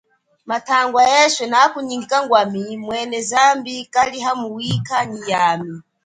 Mathangwa eswe nakunyingika ngwami, mwene zambi kali hamwe nyi yami.